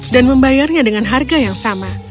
dan membayarnya dengan harga yang sama